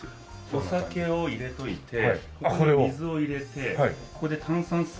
お酒を入れといて水を入れてここで炭酸水を。